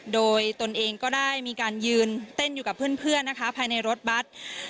โดยตนเองก็ได้มีการยืนเต้นอยู่กับเพื่อนนะคะภายในรถบัตร